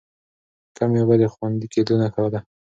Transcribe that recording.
کمې اوبه د خوندي کېدو نښه ده.